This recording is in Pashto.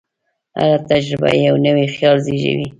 هره تجربه یو نوی خیال زېږوي.